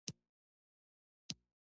هره نښه د زده کوونکو د مهارت څرګندونه وه.